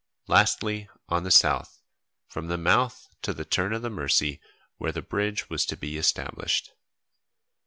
Lastly on the south, from the mouth to the turn of the Mercy where the bridge was to be established.